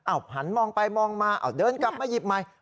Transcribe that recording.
อ้าวหันมองไปมองมาโดยกลับมาหยิบใหม่